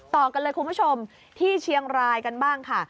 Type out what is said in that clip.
ต่อกันเลยคุณผู้ชมที่เชียงรายกันบ้างค่ะ